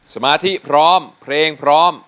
สมาธิพร้อม